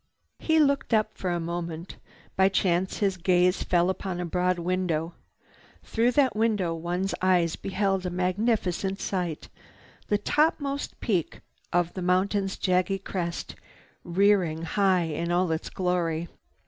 He looked up for a moment. By chance his gaze fell upon a broad window. Through that window one's eyes beheld a magnificent sight—the topmost peak of the mountain's jagged crest, rearing high in all its glory.